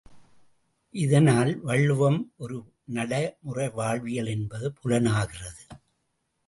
இதனால் வள்ளுவம் ஒரு நடை முறை வாழ்வியல் என்பது புலனாகிறது.